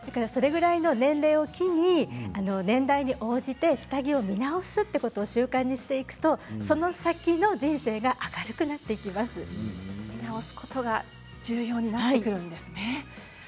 それぐらいの年齢を機に年代に応じて下着を見直すということを習慣にしていくとその先の人生が見直すことが重要になっていくんですね。